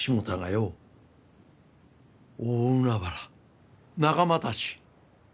大海原仲間たち！